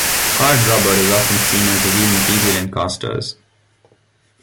Hard rubber is often seen as the wheel material in casters.